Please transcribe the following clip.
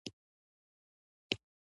افغانستان د سرحدونه له مخې پېژندل کېږي.